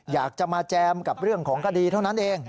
อยากจะมาแจมกับเรื่องของคดีเท่านั้นเอง